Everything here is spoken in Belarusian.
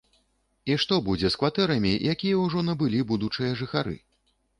І што будзе з кватэрамі, якія ўжо набылі будучыя жыхары?